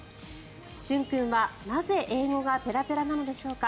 駿君はなぜ、英語がペラペラなのでしょうか。